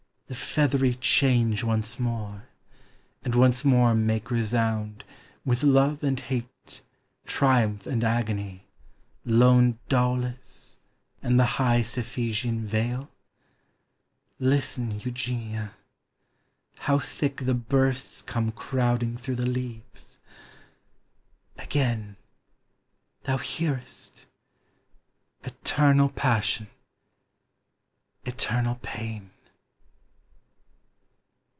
the feathery change Once more; and once more make resound, With love and hate, triumph and agony. Lone Daulis, and the high Cephisiau vale? Listen, Eugenia, — How thick the bursts come crowding through the leaves ! Again — thou hearest! Eternal passion! Eternal pain